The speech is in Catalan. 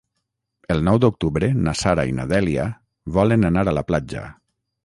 El nou d'octubre na Sara i na Dèlia volen anar a la platja.